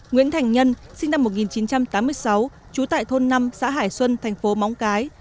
nguyễn thành nhân sinh năm một nghìn chín trăm tám mươi sáu trú tại thôn năm xã hải xuân thành phố móng cái